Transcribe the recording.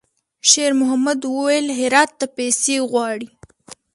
شېرمحمد وويل: «هرات ته پیسې غواړي.»